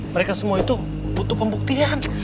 mereka semua itu butuh pembuktian